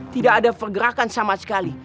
tidak ada pergerakan sama sekali